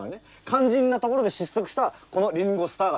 肝心なところで失速したこのリンゴスターが悪い。